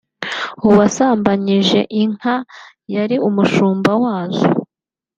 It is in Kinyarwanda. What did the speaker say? uwasambanyije inka yari umushumb wazo